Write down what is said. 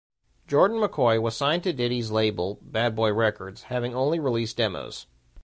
Jordan McCoy was signed to Diddy's label, Bad Boy Records, having only released demos.